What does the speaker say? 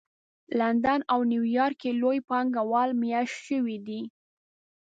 لندن او نیویارک کې لوی پانګه وال مېشت شوي دي